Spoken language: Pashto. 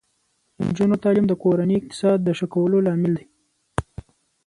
د نجونو تعلیم د کورنۍ اقتصاد ښه کولو لامل دی.